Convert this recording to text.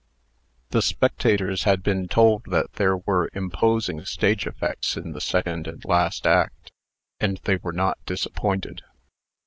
The spectators had been told that there were imposing stage effects in the second and last act; and they were not disappointed.